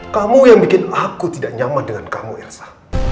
kamu yang bikin aku tidak nyaman dengan kamu elsa